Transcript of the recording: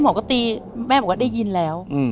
หมอก็ตีแม่บอกว่าได้ยินแล้ว